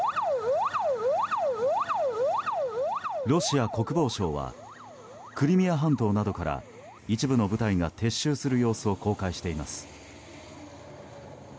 ロシア国防省はクリミア半島などから一部の部隊が撤収する様子を公開しています。